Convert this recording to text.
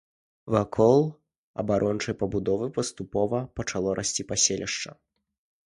Вакол абарончай пабудовы паступова пачало расці паселішча.